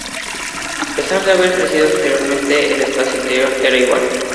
A pesar de haber crecido exteriormente, el espacio interior era igual.